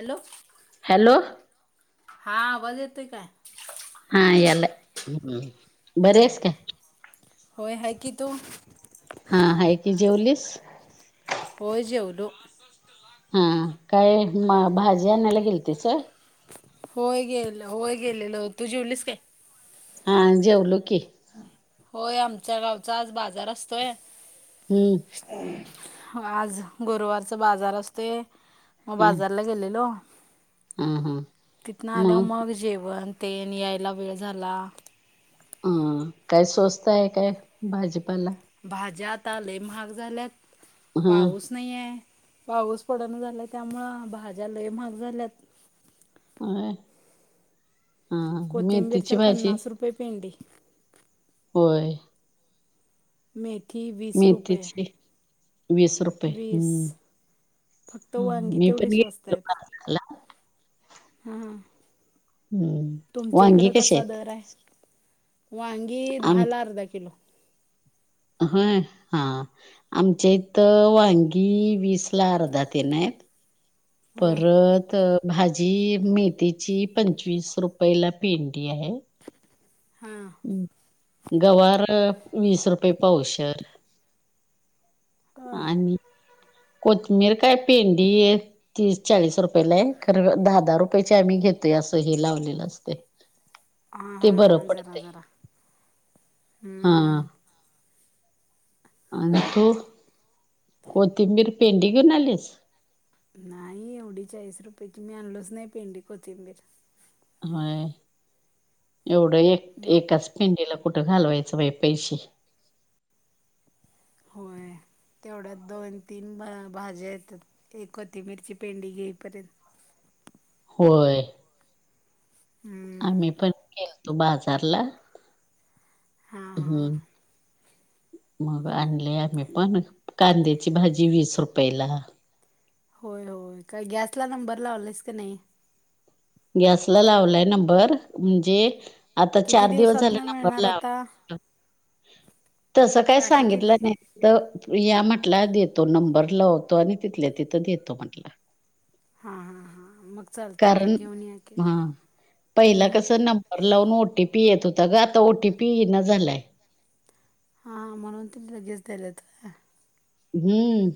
Hello hello हा आवाज येतोय काय? हा यालाय बरी आहेस काय? होय हाय की तू हा हाय की जेवलीस होय जेवलो. गोष्ट लाख हा काय म भाजी आणायला गेलतिसा होय गेलो होय गेलेलो तू जेवलीस काय? हा जेवलो की, होय आमच्या गावचा आज बाजार असतोय. हूं आज गुरुवरचा बाजार असतोय. म हा बाजारला गेलेलो हा हा तिथन आल्यावर मग जेवण तेन यायला वेळ झाला. अ काय स्वस्त हाय काय भाजीपाला भाज्या आताा लय महाग झाल्यात हा पाऊस नही आहे पाऊस पडण झालाय, त्यामुळ भाज्या लय महाग झाल्यात. हो [unintelligible] कोथिंबीर, तर भाजी पन्नास रुपये पेंडी. होय! मेथी, वी मेथीची वीस रुप वीस, फक्त वांगी मी पण तेवढी स्वस्त घेतलो आहे. बाजारला हा! हम्म तुमच्या वांगी इकड कशी कसा आहेत दर आहे, वांगी आम दहाला अर्धा किलो. होय हा. आमच्या इथं वांगी वीसला अर्धाात तेंन आहे. हां परत अ! भाजी मेथीची, पंचवीस रुपयेला पेंडी आहे. हा! गवार वीस रुपये पावशेर. होय आणि कोथमीर काय पेंडी ये. तीस, चाळीस रुपयेलाय खरं दहा, दहा रुपयेची आम्ही घेतोय, असं हे लावलेलं असतय. [inaudible] हा हा हा जरा, जरा हा हूं! आणि तू कोथिंबीर, पेंडी घेऊन आलीस? नाही एवढी चाळीस रुपयेची, मी आणलोच नाही पेंडी कोथिंबीर. व्हय एवढं एक, एकच. पेंडीला कुठं घालवायचं बाई पैशे. होय! तेवढ्यात दोन, तीन भा भाज्या येतात, एक कोथीबीरची पेंडी घेईपर्यंत. होय! हम्म आम्ही पण गेलतो बाजारला हां हां हूं. मग आणलय आम्ही पण कांद्याची भाजी, वीस रुपयेलां. होय, होय काय गॅसला नंबर लावलास का नाही? गॅसला लावलाय नंबर म्हणजे. आता किती चार दिवस झाले, दिवसातनं मिळणार नंबरला आता लाव तसं काय टाकी सांगितलं किती नाही. तर या म्हटला देतो नंबर लावतो, आणि तिथल्या तिथं देतो म्हटला. हा हा हा मग चालते की, कारण घेऊन या की. हा पहिला हम्म. कस नंबर लावून ओ टी पी येत होता ग आता ओ टी पी येईना झालाय. हा म्हणून त लगेच द्यालेत. हूं!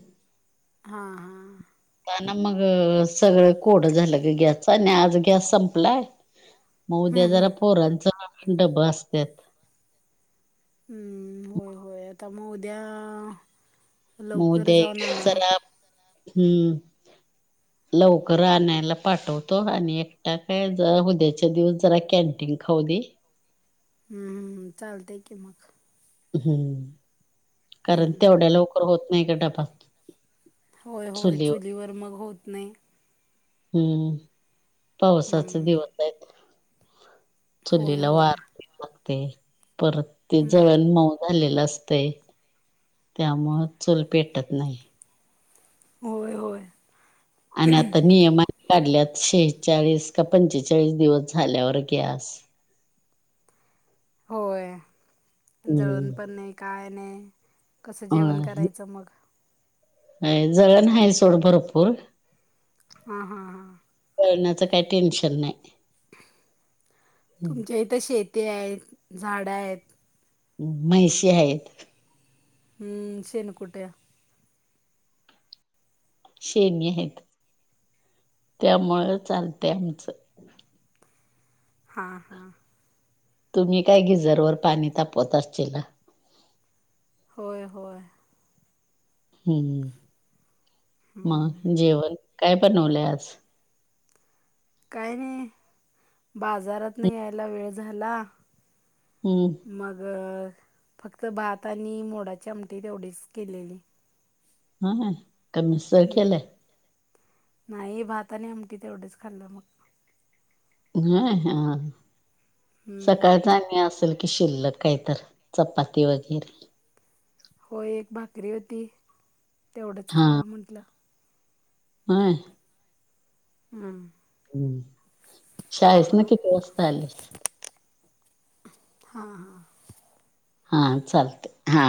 हा, हा! ना मग सगळं कोडं झालं ग गॅसचा, आणि आज गॅस संपलाय. म उद्या हम्म जरा हम्म पोरांच न डब असतात. हूं होय, होय आता मग उद्या? म लवकर उदया एक जाऊन आणा चलाप हूं! लवकर आणायला पाठवतो, आणि एकटा काय ज उद्याच्या दिवस जरा कॅन्टीन खाऊदे. हूं हूं चालतय की मग. हूं कारण हम्म तेवढ्या लवकर होत नाही ग डबा. होय, होय चुलीवर मग होत नाही. हूं पावसाचे हम्म दिवस आहे होय चुलीला होय वार लागतेय, परत ते हम्म जळन, मऊ झालेलं असतंय. त्यामुळं चल पेटत नाही. होय, होय. आणि आता नियम. काढल्यात शेहेचाळीस का पंचेचाळीस दिवस झाल्यावर गॅस होय जळून हम्म पण नाही काय नाही. कसं जेवण अं, करायचं मग. जळण आहे सोड भरपूर. हा हा हा ज ळण्याचं काही टेन्शन नाही. तुमच्या इथं शेती आहेत झाड आहेत. म्हैशी आहेत. हम्म शेन कुटया. शेणी आहेत त्यामुळं चालते आमचं. हा हा. तुम्ही काय गिजरवर पाणी तापवत असतीलला. होय होय. हम्म हम्म. मग जेवण काय बनवलंय आज. काय नाही बाजारात नाही यायला वेळ झाला. हम्म. मग फक्त भात आणि मोडाच्या आमठी तेवढीच केलेली. हा का हम्म. मिसळकेलेय. नाही भाता आणि आमटी तेवढंच खाल्लं मग. नाही हा हम्म. सकाळच आणि असेल की शिल्लक काहीत चपाती वगैरे. होय एक भाकरी होती तेवढंच खावं म्हंटलं. आय. हम्म. हम्म हां शाळेस ना हां किती वाजता आलेस. हा हा. हा चालते हा.